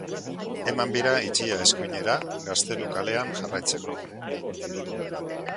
Eman bira itxia eskuinera Gaztelu kalean jarraitzeko